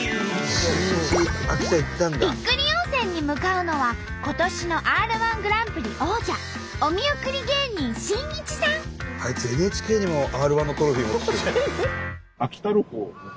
びっくり温泉に向かうのは今年のＲ−１グランプリ王者あいつＮＨＫにもＲ−１のトロフィー持ってきてる。